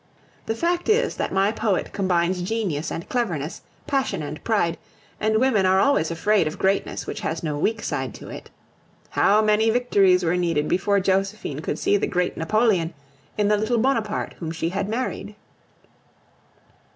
The fact is that my poet combines genius and cleverness, passion and pride, and women are always afraid of greatness which has no weak side to it. How many victories were needed before Josephine could see the great Napoleon in the little Bonaparte whom she had married.